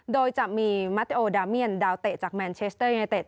โดยจะมีมัตติโอดาเมียนดาวเตะจากแมนเชสเตอร์เยเต็ด